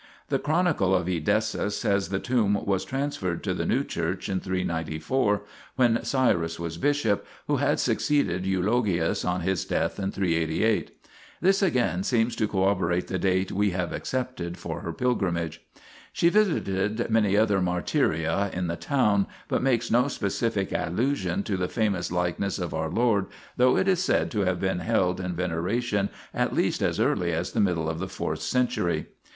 The Chronicle of Edessa says the tomb was xxiv INTRODUCTION transferred to the new church in 394, when Cyrus was bishop, who had succeeded Eulogius on his death in 388. This again seems to corroborate the date we have accepted for her pilgrimage. She visited many other martyria in the town, but makes no specific allusion to the famous likeness of our Lord, though it is said to have been held in veneration at least as early as the middle of the fourth century.